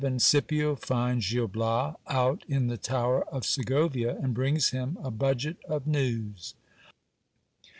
— Scipio finds Gil Bias out in the tower of Segovia, and brings him a budget ofneivs.